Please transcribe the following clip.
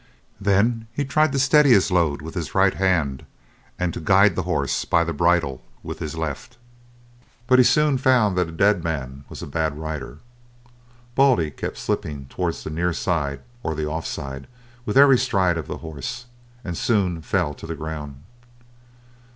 Then he tried to steady his load with his right hand, and to guide the horse by the bridle with his left, but he soon found that a dead man was a bad rider; Baldy kept slipping towards the near side or the off side with every stride of the horse, and soon fell to the ground.